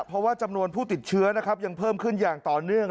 เพราะว่าจำนวนผู้ติดเชื้อนะครับยังเพิ่มขึ้นอย่างต่อเนื่อง